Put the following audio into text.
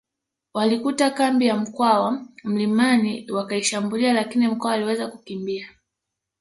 Walikuta kambi ya Mkwawa mlimani wakaishambulia lakini Mkwawa aliweza kukimbia